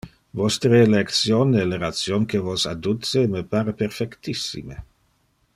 Vostre election e le ration que vos adduce me pare perfectissime.